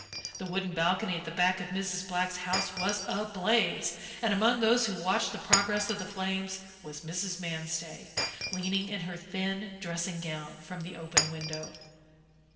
The wooden balcony at the back of Mrs. Black's house was ablaze, and among those who watched the progress of the flames was Mrs. Manstey, leaning in her thin dressing gown from the open window.